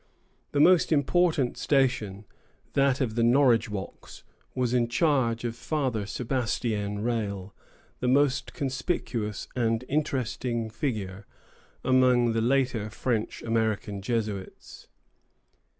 The most important station, that of the Norridgewocks, was in charge of Father Sebastien Rale, the most conspicuous and interesting figure among the later French American Jesuits.